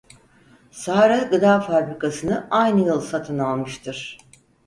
Sağra gıda fabrikasını aynı yıl satın almıştır.